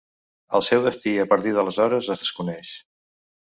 El seu destí a partir d'aleshores es desconeix.